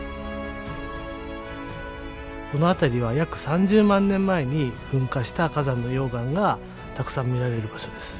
この辺りは約３０万年前に噴火した火山の溶岩がたくさん見られる場所です。